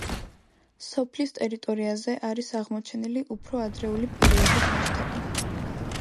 სოფლის ტერიტორიაზე არის აღმოჩენილი უფრო ადრეული პერიოდის ნაშთები.